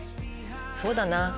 そうだな。